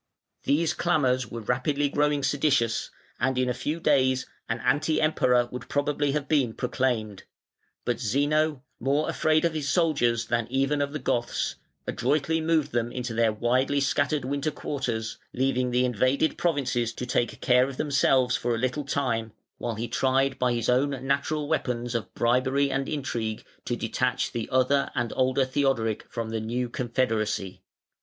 These clamours were rapidly growing seditious, and in a few days an anti Emperor would probably have been proclaimed; but Zeno, more afraid of his soldiers than even of the Goths, adroitly moved them into their widely scattered winter quarters, leaving the invaded provinces to take care of themselves for a little time, while he tried by his own natural weapons of bribery and intrigue to detach the other and older Theodoric from the new confederacy.